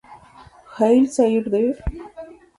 Heil sei Dir!